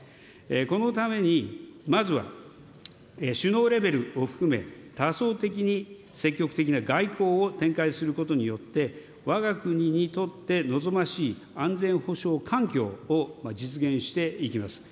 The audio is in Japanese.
このために、まずは、首脳レベルを含め、多層的に積極的な外交を展開することによって、わが国にとって望ましい安全保障環境を実現していきます。